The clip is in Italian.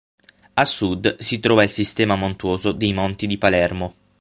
A sud si trova il sistema montuoso dei Monti di Palermo.